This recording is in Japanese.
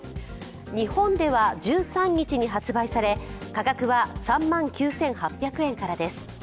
日本では１３日に発売され、価格は３万９８００円からです。